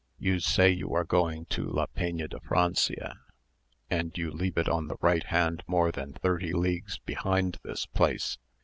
You say you are going to La Peña de Francia, and you leave it on the right hand more than thirty leagues behind this place.